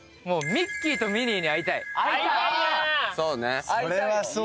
ミッキーとミニーにいないの？